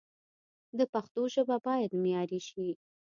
د پښتو ژبه باید معیاري شي